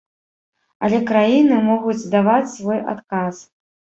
Але краіны могуць даваць свой адказ.